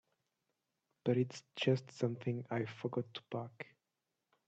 But it's just something I forgot to pack.